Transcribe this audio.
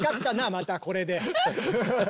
またこれで。